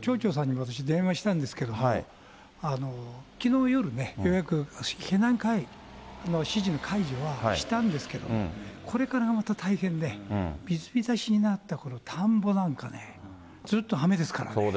町長さんに私、電話したんですけれども、きのう夜ね、ようやく避難指示の解除はしたんですけれども、これからまた大変で、水浸しになったこの田んぼなんかね、ずっと雨ですからね。